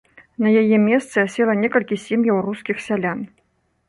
На яе месцы асела некалькі сем'яў рускіх сялян.